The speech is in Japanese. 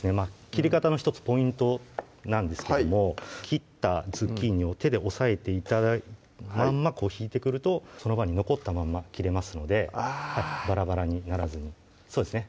切り方の１つポイントなんですけども切ったズッキーニを手で押さえたまんま引いてくるとその場に残ったまんま切れますのであバラバラにならずにそうですね